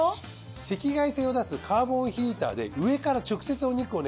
赤外線を出すカーボンヒーターで上から直接お肉をね